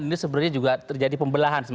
ini sebenarnya juga terjadi pembelahan sebenarnya